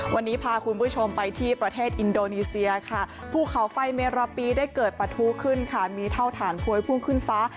วันนี้พาคุณผู้ชมไปที่ประเทศอินโดนีเซียค่ะภูเขาไฟเมราปีได้เกิดปะทุขึ้นค่ะมีเท่าฐานพวยพุ่งขึ้นฟ้า